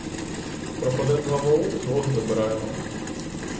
Пропаде два воли — двох забираємо.